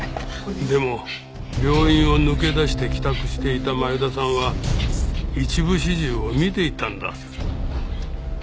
でも病院を抜け出して帰宅していた前田さんは一部始終を見ていたんだ。